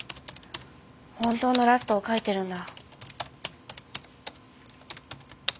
本当のラストを書いてるんだ。